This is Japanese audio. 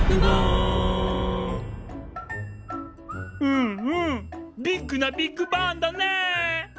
うんうんビッグなビッグバンだねえ。